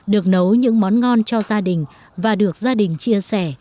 được nấu những món ngon cho gia đình và được gia đình chia sẻ